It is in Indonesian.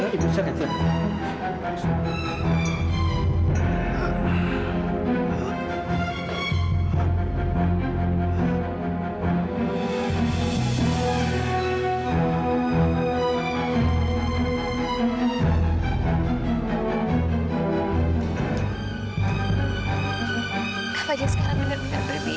kak fadil sekarang benar benar berbeda